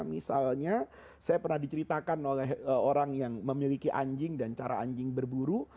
misalnya saya pernah diceritakan oleh orang yang memiliki anjing dan cara anjing berburu